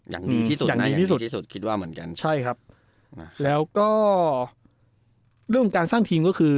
อย่างดีที่สุดนะดีที่สุดที่สุดคิดว่าเหมือนกันใช่ครับแล้วก็เรื่องของการสร้างทีมก็คือ